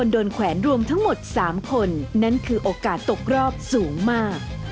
โดนแขวนรวมทั้งหมด๓คนนั่นคือโอกาสตกรอบสูงมาก